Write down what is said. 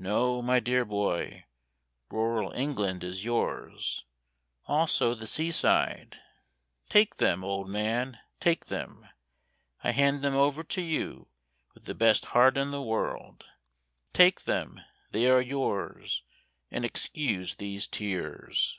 No, my dear boy, Rural England is yours, Also the sea side, Take them, old man, take them; I hand them over to you with the best heart in the world. Take them they are yours And excuse these tears.